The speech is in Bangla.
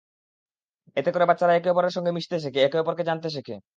এতে করে বাচ্চারা একে অপরের সঙ্গে মিশতে শেখে, একে অপরকে জানতে শেখে।